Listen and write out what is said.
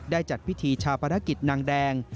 จัดพิธีชาปนกิจนางแดง